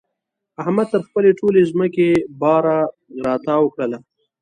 احمد تر خپلې ټولې ځمکې باره را تاو کړله.